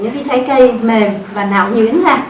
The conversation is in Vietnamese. những cái trái cây mềm và nảo nhuyễn ra